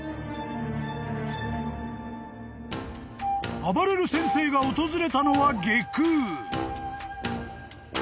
［あばれる先生が訪れたのは外宮］